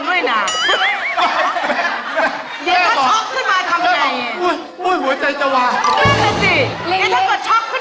แม่ชื่ออะไร